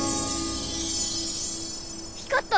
光った！